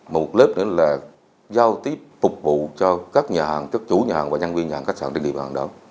một lớp nữa là giao tiếp phục vụ cho các nhà hàng các chủ nhà hàng và nhân viên nhà hàng khách sạn trên địa bàn đó